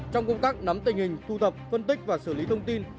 trong công tác nắm tình hình thu thập phân tích và xử lý thông tin